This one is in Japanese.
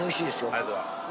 ありがとうございます。